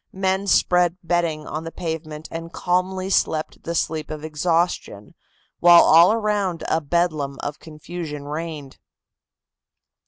Men spread bedding on the pavement and calmly slept the sleep of exhaustion, while all around a bedlam of confusion reigned.